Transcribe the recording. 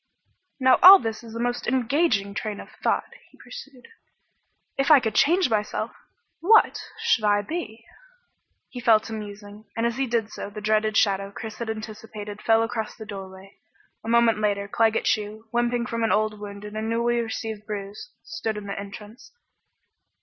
"Now, all this is a most engaging train of thought," he pursued. "If I could change myself, what should I be?" He fell to musing, and as he did so the dreaded shadow Chris had anticipated fell across the doorway. A moment later Claggett Chew, limping from an old wound and a newly received bruise, stood in the entrance.